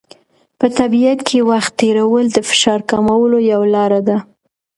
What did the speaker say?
په طبیعت کې وخت تېرول د فشار کمولو یوه لاره ده.